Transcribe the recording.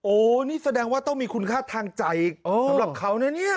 โอ้โหนี่แสดงว่าต้องมีคุณค่าทางใจสำหรับเขานะเนี่ย